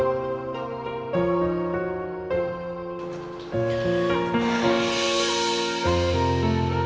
aku mungkin bisa mencoba semuanya